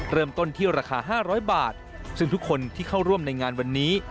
เริ่มต้นที่ราคา๕๐๐บาทซึ่งทุกคนที่เข้าร่วมในงานวันนี้